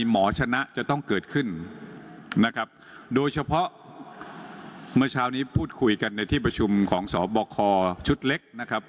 เมื่อเช้านี้พูดคุยกันในที่ประชุมของสบคชุดเล็กนะครับ